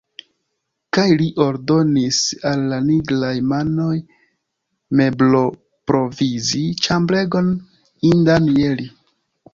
Kaj li ordonis al la nigraj manoj mebloprovizi ĉambregon, indan je li.